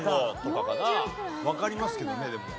わかりますけどねでも。